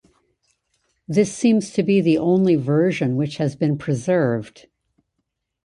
This seems to be the only version which has been preserved.